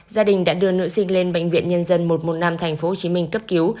gia đình đã đưa nữ sinh lên bệnh viện nhân dân một trăm một mươi năm tp hcm cấp cứu